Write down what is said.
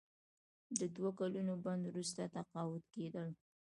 د دوه کلونو بند وروسته تقاعد کیدل.